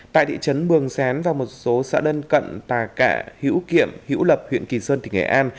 tại thị trấn mường xén và một số xã lân cận tà cạ hữu kiệm hữu lập huyện kỳ sơn tỉnh nghệ an